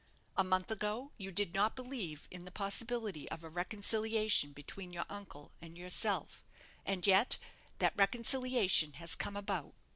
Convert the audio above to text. A month ago you did not believe in the possibility of a reconciliation between your uncle and yourself; and yet that reconciliation has come about.